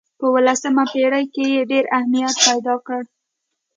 په اولسمه پېړۍ کې یې ډېر اهمیت پیدا کړ.